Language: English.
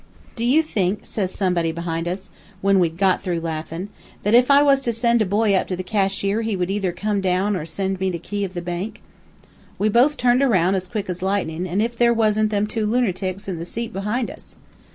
"'Do you think,' says somebody behind us, when we'd got through laughin', 'that if I was to send a boy up to the cashier he would either come down or send me the key of the bank?' "We both turned aroun' as quick as lightnin', an' if there wasn't them two lunertics in the seat behind us!